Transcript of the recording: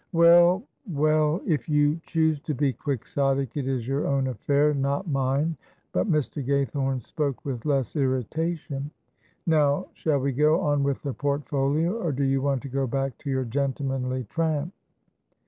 "Well well; if you choose to be Quixotic it is your own affair, not mine," but Mr. Gaythorne spoke with less irritation. "Now shall we go on with the portfolio, or do you want to go back to your gentlemanly tramp?"